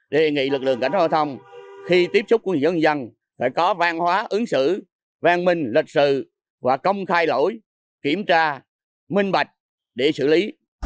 đề nghị lực lượng giao thông khi tiếp xúc với dân dân phải có vang hóa ứng xử vang minh lịch sử và công khai lỗi kiểm tra minh bạch để xử lý